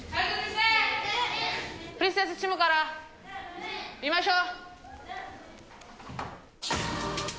プリンセスチームから見ましょう。